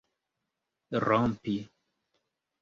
rompi